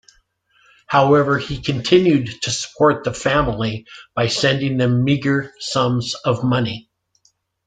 However, he continued to support the family by sending them meager sums of money.